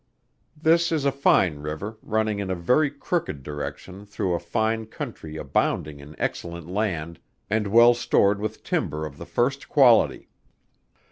This is a fine river, running in a very crooked direction through a fine country abounding in excellent land and well stored with timber of the first quality.